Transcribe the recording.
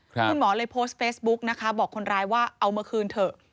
คุณหมอเลยโพสต์เฟซบุ๊กนะคะบอกคนร้ายว่าเอามาคืนเถอะ